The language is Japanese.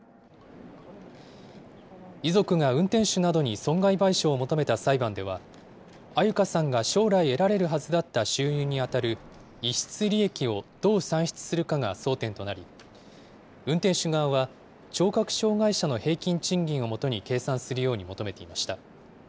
遺族が運転手などに損害賠償を求めた裁判では、安優香さんが将来得られるはずだった収入にあたる逸失利益をどう算出するかが争点となり、運転手側は、聴覚障害者の平均賃金をもとに計算するように求めていました。